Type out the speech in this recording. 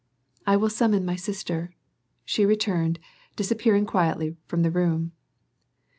"I will summon my sister," she returned, disappearing quietly from the room.